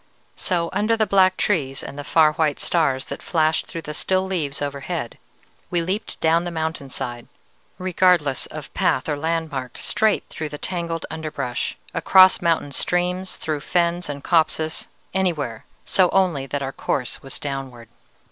"So under the black trees and the far white stars that flashed through the still leaves overhead, we leaped down the mountain side, regardless of path or landmark, straight through the tangled underbrush, across mountain streams, through fens and copses, anywhere, so only that our course was downward.